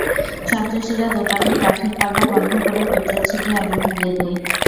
সন্ত্রাসীরা দোকানের কাঠের পাল্লা বন্ধ করে পেট্রল ছিটিয়ে আগুন ধরিয়ে দেয়।